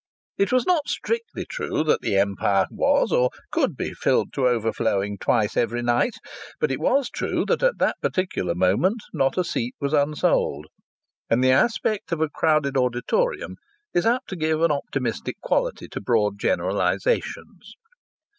It was not strictly true that the Empire was or could be filled to overflowing twice every night, but it was true that at that particular moment not a seat was unsold; and the aspect of a crowded auditorium is apt to give an optimistic quality to broad generalizations.